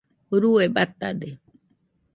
urue batade